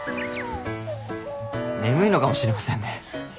眠いのかもしれませんね。